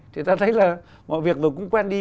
thì ta thấy là mọi việc rồi cũng quen đi